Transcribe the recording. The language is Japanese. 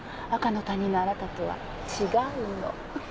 赤の他人のあなたとは違うの。